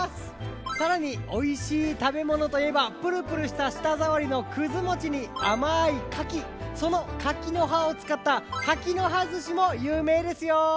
さらにおいしいたべものといえばプルプルしたしたざわりのくずもちにあまい柿その柿の葉をつかった柿の葉ずしもゆうめいですよ！